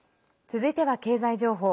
続いては経済情報。